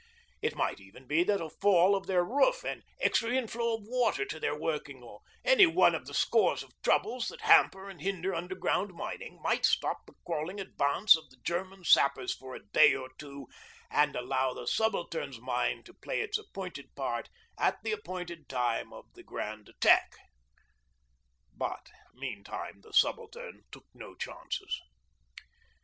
It might even be that a fall of their roof, an extra inflow of water to their working, any one of the scores of troubles that hamper and hinder underground mining might stop the crawling advance of the German sappers for a day or two and allow the Subaltern's mine to play its appointed part at the appointed time of the grand attack. But meantime the Subaltern took no chances.